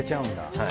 はい。